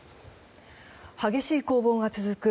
激しい攻防が続く